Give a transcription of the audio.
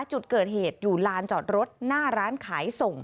จุดเกิดเหตุอยู่ลานจอดรถหน้าร้านขายส่ง